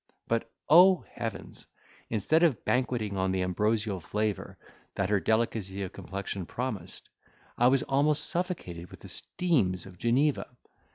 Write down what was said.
But, O heavens! instead of banqueting on the ambrosial flavour, that her delicacy of complexion promised, I was almost suffocated with the steams of Geneva!